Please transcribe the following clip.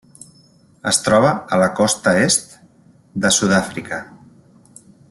Es troba a la costa est de Sud-àfrica.